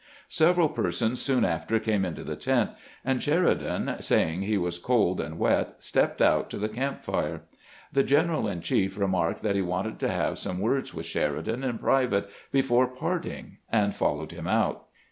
Several persons soon after came into the tent, and Sheridan, saying he was cold and wet, stepped out to the camp fire. The gen eral in chief remarked that he wanted to have some words with Sheridan in private before parting, and fol lowed him out.